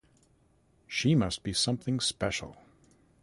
She must be something special.